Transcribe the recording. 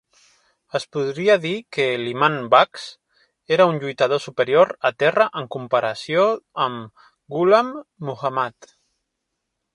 Es podria dir que l'imam Baksh era un lluitador superior a terra en comparació amb Ghulam Muhammad.